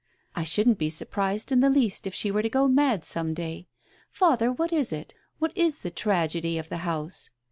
I shouldn't be surprised in the least if she were to go mad some day. Father, what is it ? What is the tragedy of the house?